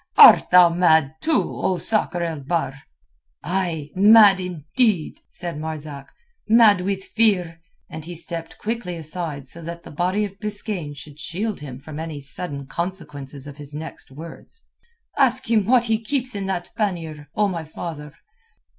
Art thou mad, too, O Sakr el Bahr?" "Ay, mad indeed," said Marzak; "mad with fear." And he stepped quickly aside so that the body of Biskaine should shield him from any sudden consequences of his next words. "Ask him what he keeps in that pannier, O my father."